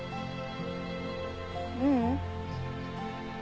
ううん。